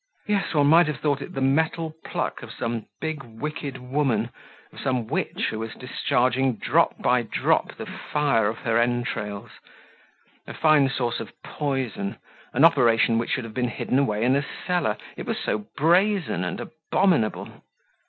Yes, one might have thought it the metal pluck of some big wicked woman, of some witch who was discharging drop by drop the fire of her entrails. A fine source of poison, an operation which should have been hidden away in a cellar, it was so brazen and abominable!